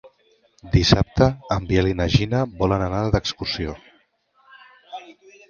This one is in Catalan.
Dissabte en Biel i na Gina volen anar d'excursió.